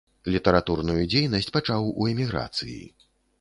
Літаратурную дзейнасць пачаў у эміграцыі.